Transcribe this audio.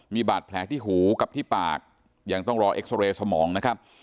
มีบาดแผลที่หูกับที่ปากยังต้องรอเอ็กซอเรย์สมองนะครับ